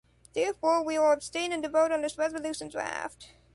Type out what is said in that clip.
Therefore, we will abstain in the vote on this resolution draft.